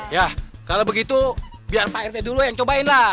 ya kalau begitu biar pak rt dulu yang cobain lah